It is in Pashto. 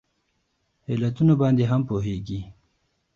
علتونو باندې هم پوهیږي